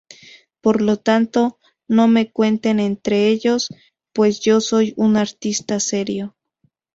Por lo tanto, no me cuenten entre ellos, pues yo soy un artista serio.